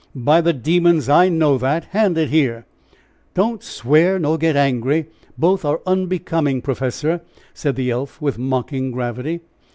"By the demons, I know that! Hand it here!" "Don't swear nor get angry! Both are unbecoming professor!" said the elf, with mocking gravity.